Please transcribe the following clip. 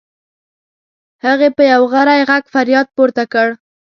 هغې په یو غری غږ فریاد پورته کړ.